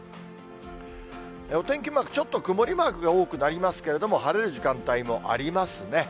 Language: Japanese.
お天気マーク、ちょっと曇りマークが多くなりますけれども、晴れる時間帯もありますね。